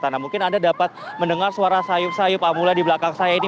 nah mungkin anda dapat mendengar suara sayup sayup amula di belakang saya ini